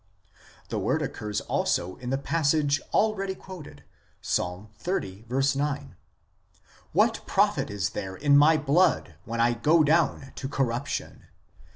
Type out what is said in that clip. The word occurs also in the passage, already quoted, Ps. xxx. 9 (10 in Hebr.) : "What profit is there in my blood when I go down to corruption